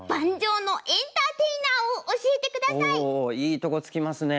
おおいいとこつきますね。